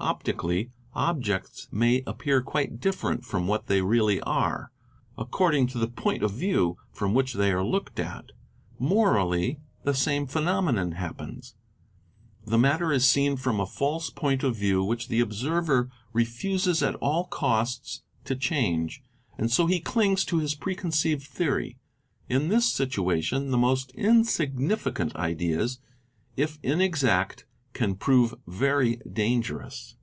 Optically objects may ' appear quite different from what they really are, according to the point _ of view from which they are looked at. Morally the same phenomenon 16 THE INVESTIGATING OFFICER happens, the matter is seen from a false point of view which the observer — refuses at all costs to change; and so he clings to his preconceived — theory. In this situation the most insignificant ideas, if inexact, can prove very dangerous.